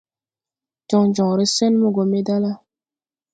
Jon jonre sen mo go me da la.